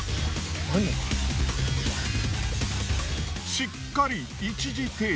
しっかり一時停止。